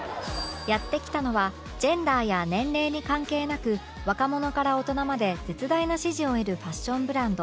やって来たのはジェンダーや年齢に関係なく若者から大人まで絶大な支持を得るファッションブランド